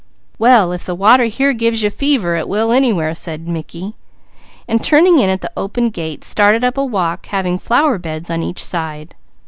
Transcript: "Well if the water here gives you fever, it will anywhere," said Mickey, and turning in at the open gate started up a walk having flower beds on each side.